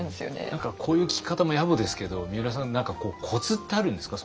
何かこういう聞き方もやぼですけどみうらさん何かコツってあるんですか？